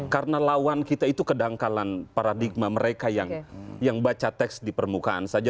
karena lawan kita itu kedangkalan paradigma mereka yang baca teks di permukaan saja